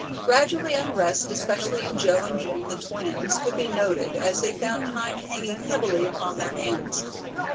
Gradually unrest, especially in Joe and Jim, the twins, could be noted, as they found time hanging heavily upon their hands.